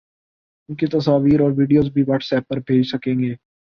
اُن کی تصاویر اور ویڈیوز بھی واٹس ایپ پر بھیج سکیں گے